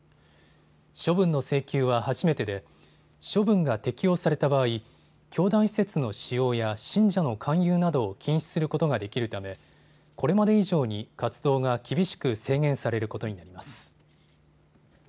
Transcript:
処分の請求は初めてで処分が適用された場合、教団施設の使用や信者の勧誘などを禁止することができるためこれまで以上に活動が厳しく制限されることになります。